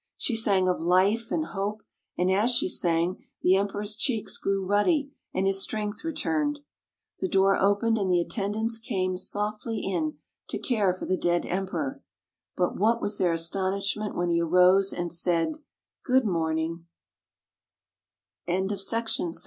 She sang of life, and hope, and as she sang the Emperor's cheeks grew ruddy, and his strength returned. The door opened, and the attendants came softly in to care for the dead Emperor. But what was their astonishment when he arose and said, " Good